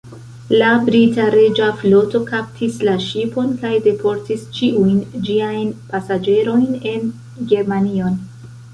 La brita Reĝa Floto kaptis la ŝipon, kaj deportis ĉiujn ĝiajn pasaĝerojn en Germanion.